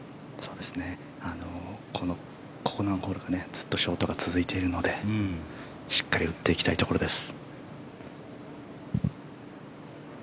ここ何ホールかずっとショートが続いているのでしっかり打っていきたいところです。